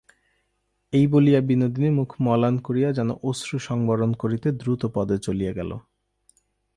এই বলিয়া বিনোদিনী মুখ মলান করিয়া যেন অশ্রুসংবরণ করিতে দ্রুতপদে চলিয়া গেল।